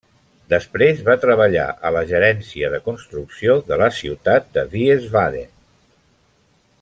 Després va treballar a la gerència de construcció de la ciutat de Wiesbaden.